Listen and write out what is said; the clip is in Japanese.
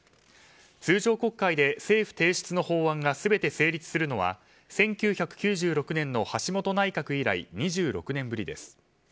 通常国会で政府提出の法案が全て成立するのは１９９６年の橋本内閣以来２６年ぶりです。